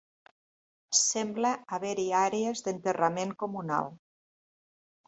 Sembla haver-hi àrees d'enterrament comunal.